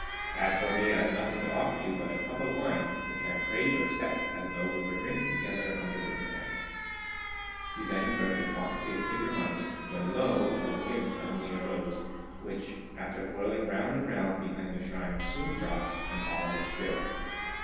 As for me, I have nothing to offer you but a cup of wine, which I pray you accept as though we were drinking together on the river bank." He then burnt a quantity of paper money, when lo! a wind suddenly arose, which, after whirling round and round behind the shrine, soon dropped, and all was still.